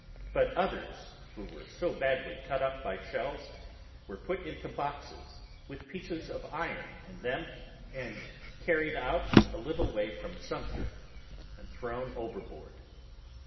But others, who were so badly cut up by shells, were put into boxes, with pieces of iron in them, and carried out a little away from Sumter and thrown overboard.